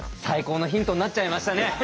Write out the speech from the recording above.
最高のヒントになっちゃいましたね。